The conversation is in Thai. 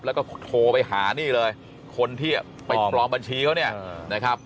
แล้วก็โทรไปหานี่เลยคนที่ไปปลอมบัญชีเขาเนี่ยนะครับ